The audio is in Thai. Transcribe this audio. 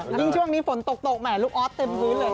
ยิ่งช่วงนี้ฝนตกแห่ลูกออสเต็มพื้นเลย